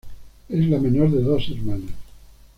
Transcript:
Es la menor de dos hermanas.